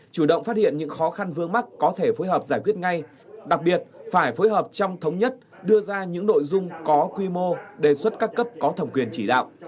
chủ động phát hiện những khó khăn vương mắc có thể phối hợp giải quyết ngay đặc biệt phải phối hợp trong thống nhất đưa ra những nội dung có quy mô đề xuất các cấp có thẩm quyền chỉ đạo